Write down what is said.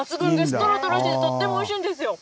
とろとろしててとってもおいしいんですよ。